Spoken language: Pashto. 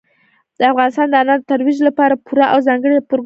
افغانستان د انارو د ترویج لپاره پوره او ځانګړي پروګرامونه لري.